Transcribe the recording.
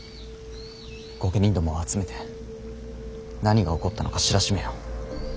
御家人どもを集めて何が起こったのか知らしめよ。